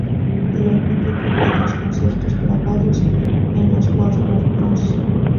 El álbum recoge dos conciertos grabados en los Warner Bros.